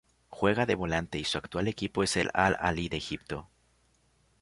Juega de volante y su actual equipo es el Al-Ahly de Egipto.